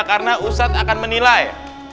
karena ustadz akan menilai